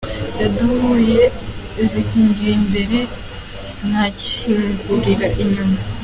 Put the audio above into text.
Haduyi zinkingiranira imbere nka kingurira inyuma.